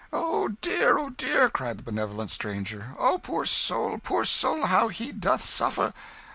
"O, dear, O dear!" cried the benevolent stranger, "O poor soul, poor soul, how he doth suffer!